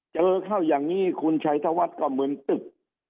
เจอเข้าอย่างนี้คุณชัยธวัฒน์ก็มึนตึก